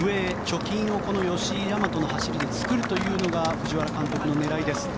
貯金を、吉居大和の走りで作るというのが藤原監督の狙いです。